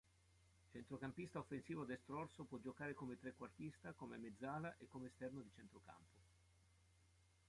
Centrocampista offensivo destrorso, può giocare come trequartista, come mezzala e come esterno di centrocampo.